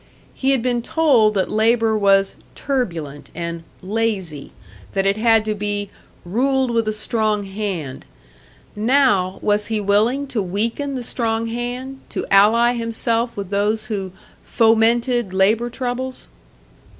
He had been told that labour was "turbulent" and "lazy," that it had to be "ruled with a strong hand"; now, was he willing to weaken the strong hand, to ally himself with those who "fomented labour troubles"?